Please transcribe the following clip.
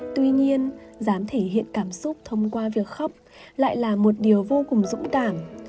tuy nhiên dám thể hiện cảm xúc thông qua việc khóc lại là một điều vô cùng dũng cảm